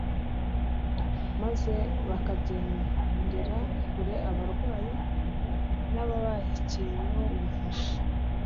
maze bakagendera kure abarwayi, n'ababakencyeho ubufasha.